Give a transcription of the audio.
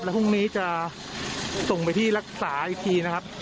พรุ่งนี้จะส่งไปที่รักษาอีกทีนะครับ